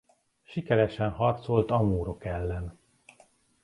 Sikeresen harcolt a mórok ellen.